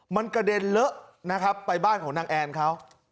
มันกระเด็นเลอะนะครับไปบ้านของนางแอนเขา